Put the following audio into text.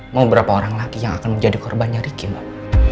mau berapa orang lagi yang akan menjadi korbannya ricky mbak